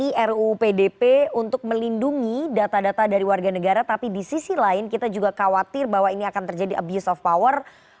ini ruu pdp untuk melindungi data data dari warga negara tapi di sisi lain kita juga khawatir bahwa ini akan terjadi abuse of power